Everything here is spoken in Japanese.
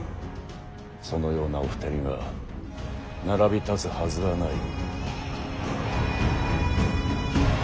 そのようなお二人が並び立つはずはない。